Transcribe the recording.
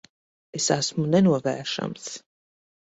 Es esmu nenovēršams.